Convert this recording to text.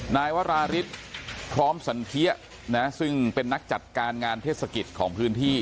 นายวราริสพร้อมสันเทียนะซึ่งเป็นนักจัดการงานเทศกิจของพื้นที่